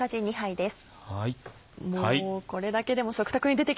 もうこれだけでも食卓に出てきたらね